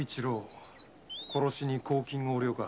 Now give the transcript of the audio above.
殺しに公金横領か。